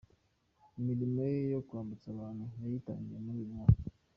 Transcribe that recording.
Imirimo ye yo kwambutsa abantu yayitangiye muri uyu mwaka.